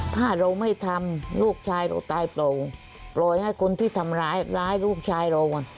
ถ้าเราไม่ทำลูกชายเราตายโปร่งปล่อยให้คนที่ทำร้ายร้ายลูกชายเรา